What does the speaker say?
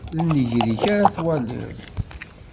D nnger-ik ara twaliḍ.